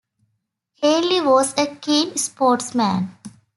Ainley was a keen sportsman.